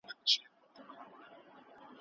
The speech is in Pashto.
د طبیعي علومو په مرسته ډېر رازونه کشف سوي وو.